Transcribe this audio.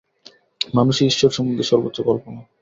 মানুষই ঈশ্বর সম্বন্ধে সর্বোচ্চ কল্পনা।